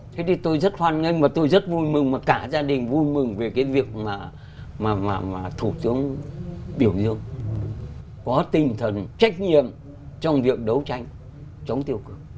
thế thì tôi rất hoan nghênh và tôi rất vui mừng mà cả gia đình vui mừng về cái việc mà thủ tướng biểu dương có tinh thần trách nhiệm trong việc đấu tranh chống tiêu cực